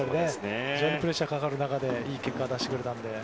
非常にプレッシャーがかかる中でいい結果を出してくれたので。